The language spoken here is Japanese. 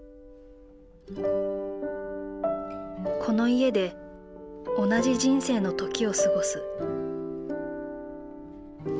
この家で同じ人生の時を過ごす。